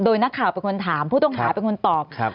โดยนักข่าวเป็นคนถามผู้ต้องหาเป็นคนตอบ